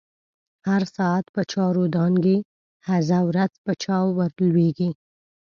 هر ساعت په چاور دانګی، هزه ورځ په چا ور لويږی